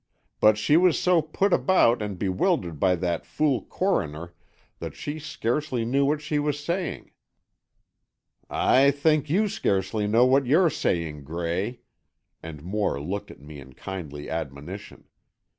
"But she was so put about and bewildered by that fool coroner that she scarcely knew what she was saying——" "I think you scarcely know what you're saying, Gray," and Moore looked at me in kindly admonition.